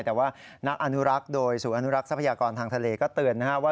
แต่ว่านักอนุรักษ์โดยศูนย์อนุรักษ์ทรัพยากรทางทะเลก็เตือนนะครับว่า